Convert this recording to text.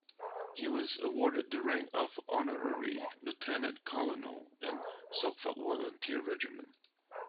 He was awarded the rank of Honorary Lieutenant-Colonel in the Suffolk Volunteer Regiment.